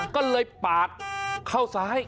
ก็เลยปาดเข้าซ้าย